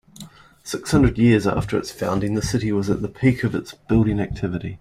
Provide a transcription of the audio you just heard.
Six hundred years after its founding, the city was at the peak of its building activity.